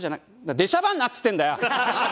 出しゃばんなっつってんだよ！